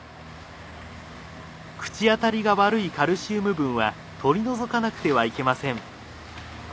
口当たりが悪いカルシウム分は取り除かなくてはいけません。